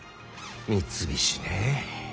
三菱ねぇ。